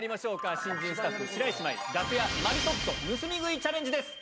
新人スタッフ白石麻衣、楽屋マリトッツォ盗み食いチャレンジです。